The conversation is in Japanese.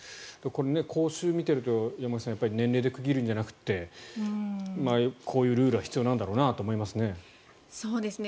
講習を見ていると、山口さん年齢で区切るのではなくてこういうルールは必要なんだろうなと思いますね。